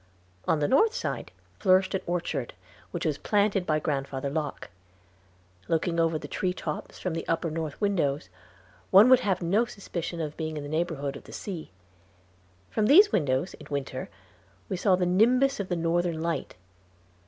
On the north side flourished an orchard, which was planted by Grandfather Locke. Looking over the tree tops from the upper north windows, one would have had no suspicion of being in the neighborhood of the sea. From these windows, in winter, we saw the nimbus of the Northern Light.